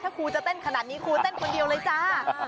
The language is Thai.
ถ้าครูจะเต้นขนาดนี้ครูเต้นคนเดียวเลยจ้า